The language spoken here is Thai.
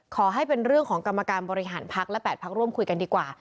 ขอให้เป็นเรื่องของกรรมการบริหารพักและ๘พักร่วมคุยกันดีกว่า